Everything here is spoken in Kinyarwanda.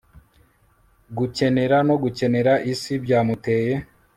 gukenera no gukenera isi byamuteye